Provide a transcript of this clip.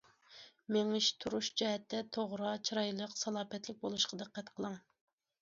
مېڭىش- تۇرۇش جەھەتتە توغرا، چىرايلىق ۋە سالاپەتلىك بولۇشقا دىققەت قىلىڭ.